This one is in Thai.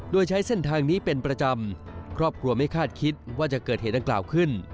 โดยใช้เส้นทางนี้เป็นประจำครอบครัวไม่คาดคิดว่าจะเกิดเหตุดังกล่าวขึ้น